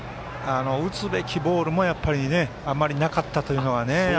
打つべきボールもあまりなかったというのが。